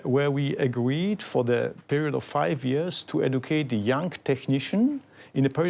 ที่พอธิบาย๕ปีเป็นสิ่งที่เราพัฒนาพิทักษ์ทหารในปี๒